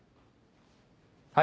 はい。